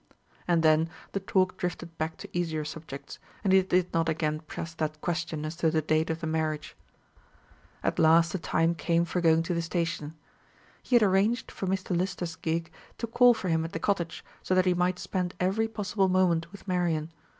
And then the talk drifted back to easier subjects, and he did not again press that question as to the date of the marriage. At last the time came for going to the station. He had arranged for Mr. Lister's gig to call for him at the cottage, so that he might spend every possible moment with Marian.